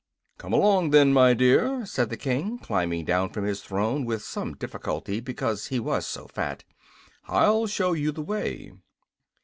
"Come along, then, my dear," said the King, climbing down from his throne with some difficulty, because he was so fat; "I'll show you the way."